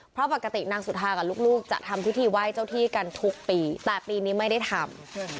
เพราะปกตินางสุธากับลูกจะทำพิธีไหว้เจ้าที่กันทุกปีแต่ปีนี้ไม่ได้ทำ